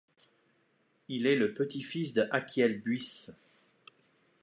Il est le petit-fils de Achiel Buysse.